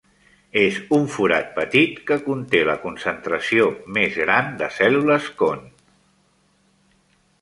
És un forat petit que conté la concentració més gran de cèl·lules con.